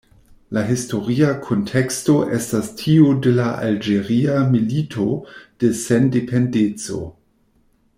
La historia kunteksto estas tiu de la Alĝeria Milito de Sendependeco.